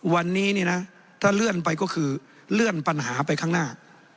วันนี้เนี่ยนะถ้าเลื่อนไปก็คือเลื่อนปัญหาไปข้างหน้า